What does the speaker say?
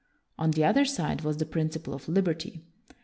On the other side was the principle of liberty.